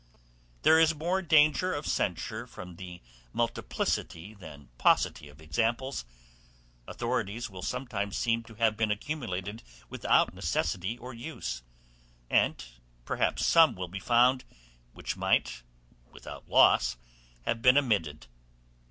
There is more danger of censure from the multiplicity than paucity of examples, authorities will sometimes seem to have been accumulated without necessity or use, and perhaps some will be found, which might, without loss, have been omitted.